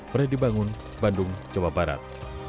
freddy bangun bandung jawa barat